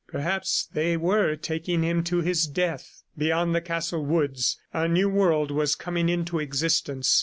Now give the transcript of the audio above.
Perhaps they were taking him to his death. ... Beyond the castle woods a new world was coming into existence.